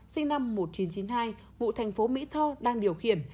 sinh năm một nghìn chín trăm chín mươi hai ngụ thành phố mỹ tho đang điều khiển